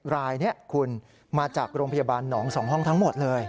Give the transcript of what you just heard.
รายนี้คุณมาจากโรงพยาบาลหนอง๒ห้องทั้งหมดเลย